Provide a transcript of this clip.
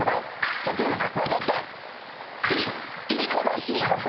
そっちでええな。